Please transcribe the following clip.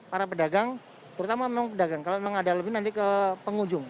para pedagang terutama memang pedagang kalau memang ada lebih nanti ke pengunjung